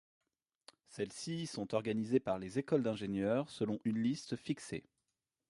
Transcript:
Celles-ci sont organisées par les écoles d’ingénieurs selon une liste fixée.